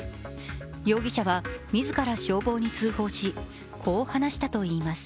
容疑者は自ら消防に通報しこう話したといいます。